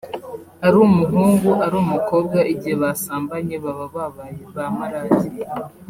ari umuhungu ari umukobwa igihe basambanye baba babaye ba maraya